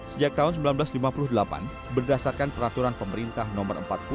sejak tahun seribu sembilan ratus lima puluh delapan berdasarkan peraturan pemerintah no empat puluh